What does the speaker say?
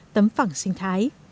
tấm phẳng sinh thái